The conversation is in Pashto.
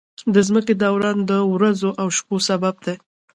د ځمکې دوران د ورځو او شپو سبب دی.